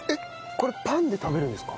これパンで食べるんですか？